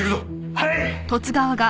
はい！